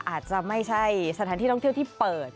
อาจจะไม่ใช่สถานที่ท่องเที่ยวที่เปิด